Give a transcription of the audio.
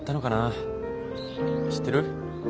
知ってる？